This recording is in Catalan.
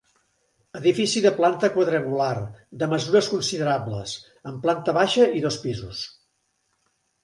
Edifici de planta quadrangular, de mesures considerables, amb planta baixa i dos pisos.